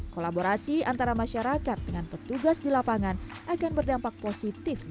kolaborasi antara masyarakat dengan petugas di lapangan akan berdampak positif bagi kepentingan bersama